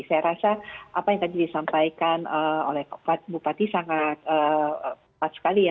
saya rasa apa yang tadi disampaikan oleh bupati sangat pat sekali ya